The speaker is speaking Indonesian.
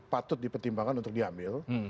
patut dipertimbangkan untuk diambil